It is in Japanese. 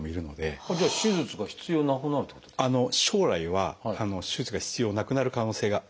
将来は手術が必要なくなる可能性があるかもしれないです。